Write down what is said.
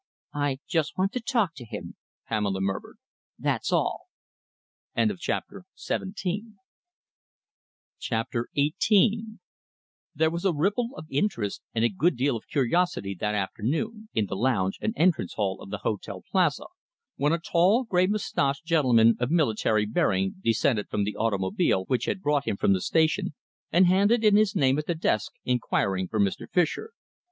"I just want to talk to him," Pamela murmured, "that's all." CHAPTER XVIII There was a ripple of interest and a good deal of curiosity that afternoon, in the lounge and entrance hall of the Hotel Plaza, when a tall, grey moustached gentleman of military bearing descended from the automobile which had brought him from the station, and handed in his name at the desk, inquiring for Mr. Fischer.